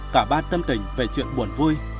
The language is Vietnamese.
cả ba tâm tình về chuyện buồn vui